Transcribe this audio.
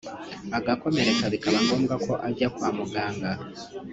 agakomereka bikaba ngombwa ko ajya kwa muganga